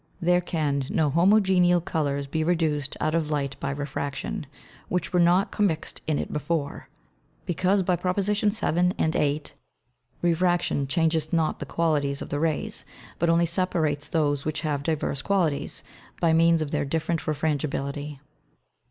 There can no Homogeneal Colours be reduced out of Light by Refraction, which were not commixt in it before. Because by Prop. 7. and 8. Refraction changeth not the Qualities of the Rays, but only separates those which have divers Qualities, by means of their different Refrangibility.